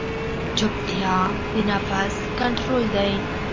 چپتیا، د نفس کنټرول دی.